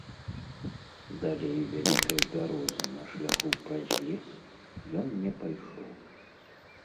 Далей вялікай бярозы на шляху праз лес ён не пайшоў.